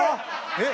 えっ？